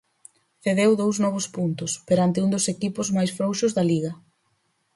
Cedeu dous novos puntos, perante un dos equipos máis frouxos da liga.